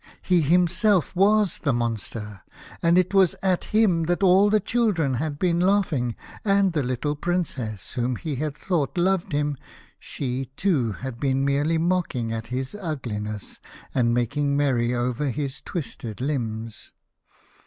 He himself was the monster, and it was at him that all the children had been laughing, and the little Princess who he had thought loved him — she too had been merely mocking at his ugliness, and making merry over his twisted limbs.